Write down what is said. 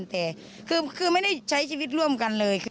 แต่คือไม่ได้ใช้ชีวิตร่วมกันเลย